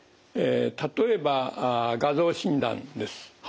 例えば画像診断です。